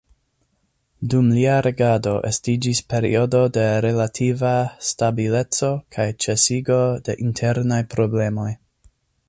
Dum lia regado estiĝis periodo de relativa stabileco kaj ĉesigo de internaj problemoj.